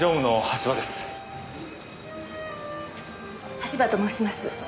橋場と申します。